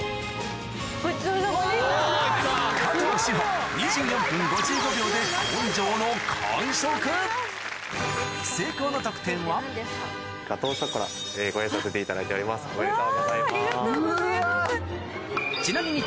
加藤史帆根性の成功の・ガトーショコラご用意させていただいております・・おめでとうございます・ありがとうございます。